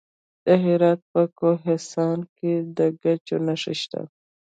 د هرات په کهسان کې د ګچ نښې شته.